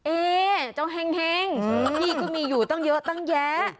เอ๊เจ้าเห็งพี่ก็มีอยู่ตั้งเยอะตั้งแยะ